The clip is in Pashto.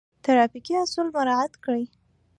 ټرافیکي اصول مراعات کړئ